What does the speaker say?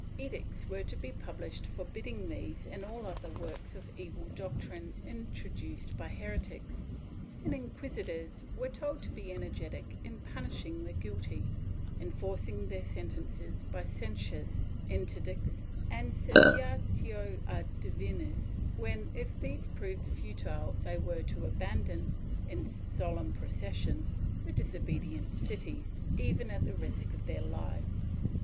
Edicts were to be published forbidding these and all other works of evil doctrine introduced by heretics, and inquisitors were told to be energetic in punishing the guilty, enforc ing their sentences by censures, interdicts and cessatio a divinis when, if these proved futile they were to abandon, in solemn pro cession, the disobedient cities, even at the risk of their lives.'